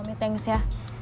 tapi thanks ya